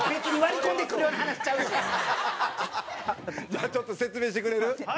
じゃあちょっと説明してくれる？